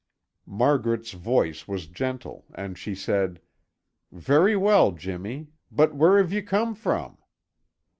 Margaret's voice was gentle and she said, "Very well, Jimmy! But where have you come from?"